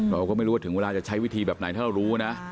เราก็ไม่รู้ว่าถึงเวลาจะใช้วิธีแบบไหนถ้าเรารู้นะ